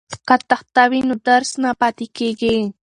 که تخته وي نو درس نه پاتې کیږي.